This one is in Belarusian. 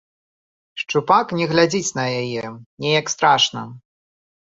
Шчупак не глядзіць на яе, неяк страшна.